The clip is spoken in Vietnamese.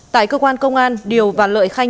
tại cơ quan công an điều và lợi khanh